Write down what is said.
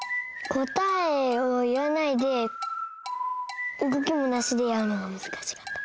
こたえをいわないでうごきもなしでやるのがむずかしかった。